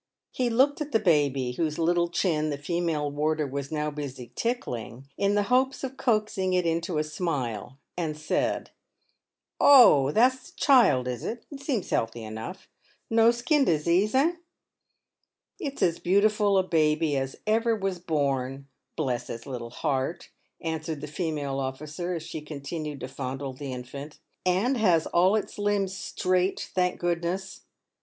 He looked at the baby, whose little chin the female warder was now busy tickling, in the hopes of coaxing it into a smile, and said :" Oh, that's the child, is it ? It seems healthy enough ! No skin disease, eh ?"" It's as beautiful a baby as ever was born, bless its little heart !" answered the female officer, as she continued to fondle the infant; " and has all its limbs straight, thank goodness."